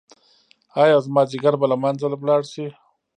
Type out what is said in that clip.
ایا زما ځیګر به له منځه لاړ شي؟